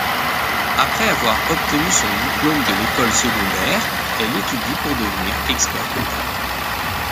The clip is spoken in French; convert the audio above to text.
Après avoir obtenu son diplôme de l'école secondaire, elle étudie pour devenir expert-comptable.